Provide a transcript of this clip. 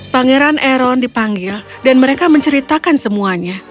pangeran eron dipanggil dan mereka menceritakan semuanya